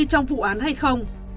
trong vụ án hay không